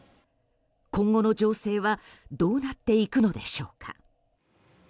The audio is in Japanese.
今後の情勢はどうなっていくのでしょうか。